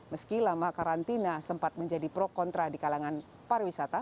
meski lama karantina sempat menjadi pro kontra di kalangan pariwisata